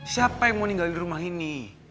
siapa yang mau tinggal di rumah ini